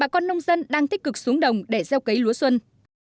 bà con nông dân đang tích cực xuống đồng để gieo cấy lúa xuân